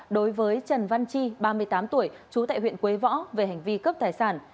đối với trần văn chi ba mươi tám tuổi trú tại huyện quế võ về hành vi cướp tài sản